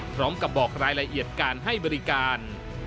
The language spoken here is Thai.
พร้อมกับบอกรายละเอียดการให้บริการ